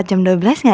terima kasih ya